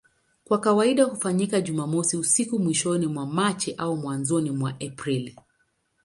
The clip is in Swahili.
Kwa kawaida hufanyika Jumamosi usiku mwishoni mwa Machi au mwanzoni mwa Aprili.